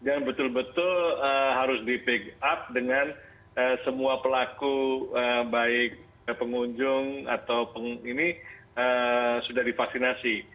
dan betul betul harus di pick up dengan semua pelaku baik pengunjung atau ini sudah divaksinasi